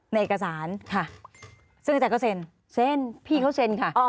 เอกสารค่ะซึ่งอาจารย์ก็เซ็นเซ็นพี่เขาเซ็นค่ะ